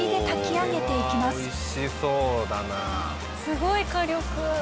すごい火力！